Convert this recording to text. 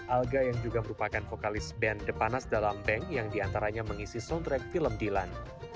alga yang juga merupakan vokalis band depanas dalam bank yang diantaranya mengisi soundtrack film dilan